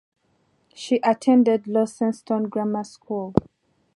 She attended Launceston Grammar School.